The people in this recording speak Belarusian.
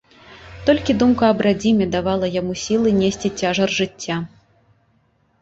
Толькі думка аб радзіме давала яму сілы несці цяжар жыцця.